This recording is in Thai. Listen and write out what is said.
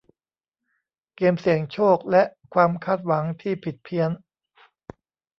เกมเสี่ยงโชคและความคาดหวังที่ผิดเพี้ยน